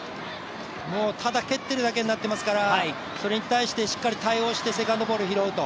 ただ蹴っているだけになっていますから、それに対してしっかり対応してセカンドボール拾うと。